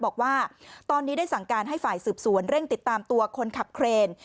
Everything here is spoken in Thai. บอกว่าตอนนี้ได้สั่งการให้ฝ่ายสืบสวนเร่งติดตามตัวคนขับเครน